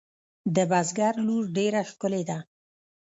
د بزگر لور ډېره ښکلې ده.